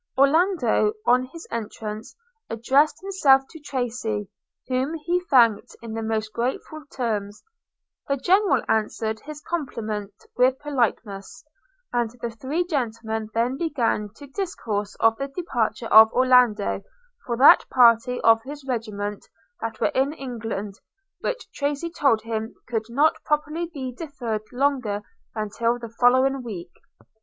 Orlando, on his entrance, addressed himself to Tracy, whom he thanked in the most graceful terms. The General answered his compliment with politeness, and the three gentlemen then began to discourse of the departure of Orlando for that party of his regiment that were in England, which Tracy told him could not properly be deferred longer than till the following week.